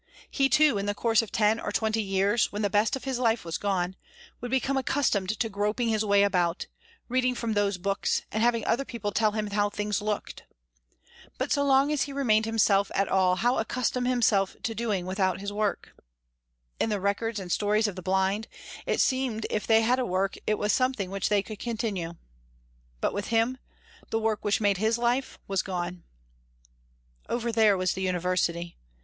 He too, in the course of ten or twenty years, when the best of his life was gone, would become accustomed to groping his way about, reading from those books, and having other people tell him how things looked. But so long as he remained himself at all how accustom himself to doing without his work? In the records and stories of the blind, it seemed if they had a work it was something which they could continue. But with him, the work which made his life was gone. Over there was the university.